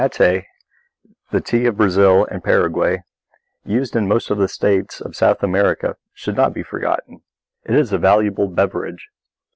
"Matte" the tea of Brazil and Paraguay, used in most of the states of South America, should not be forgotten. It is a valuable beverage.